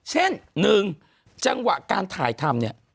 เช่น๑จังหวะการถ่ายทำเนี่ย